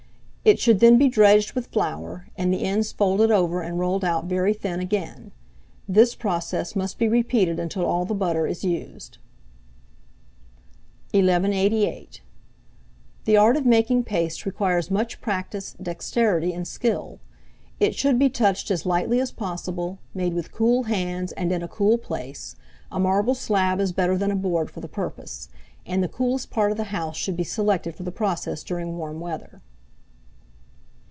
It should then be dredged with flour, and the ends folded over and rolled out very thin again: this process must be repeated until all the butter is used. [Illustration: PASTE PINCERS AND JAGGER, FOR ORNAMENTING THE EDGES OF PIE CRUSTS.] 1188. The art of making paste requires much practice, dexterity, and skill: it should be touched as lightly as possible, made with cool hands and in a cool place (a marble slab is better than a board for the purpose), and the coolest part of the house should be selected for the process during warm weather.